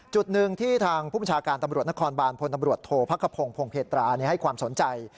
จุดหนึ่งที่ทางผู้บัญชาการตำรวจนครบานพตโธพพเทราให้ความสนใจ